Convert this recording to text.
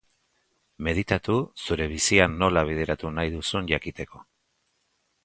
Meditatu zure bizia nola bideratu nahi duzun jakiteko.